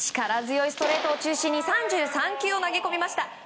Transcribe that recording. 力強いストレートを中心に３３球を投げ込みました。